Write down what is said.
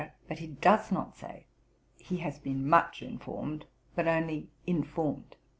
but he does not say 'he has been much informed,' but only 'informed.'